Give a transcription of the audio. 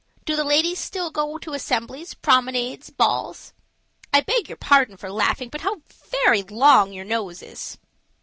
Do the ladies still go to assemblies, promenades, balls? I beg your pardon for laughing, but how very long your nose is."